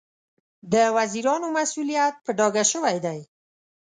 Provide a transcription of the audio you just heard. د وزیرانو مسوولیت په ډاګه شوی دی.